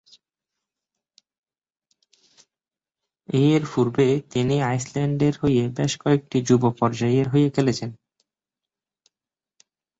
এরপূর্বে, তিনি আইসল্যান্ডের হয়ে বেশ কয়েকটি যুব পর্যায়ের হয়ে খেলছেন।